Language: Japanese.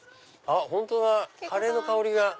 本当だカレーの香りが。